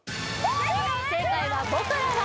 正解は「僕らは」